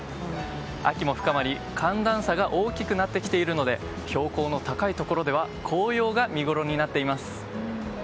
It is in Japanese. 秋も深まり、寒暖差が大きくなってきているので標高の高いところでは紅葉が見ごろになっています。